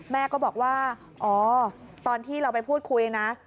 แม่ก็บอกว่าอ๋อตอนที่เราไปพูดคุยนะ